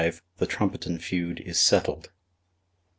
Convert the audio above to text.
THE TRUMPETON FEUD IS SETTLED.